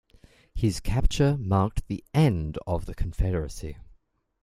His capture marked the end of the Confederacy.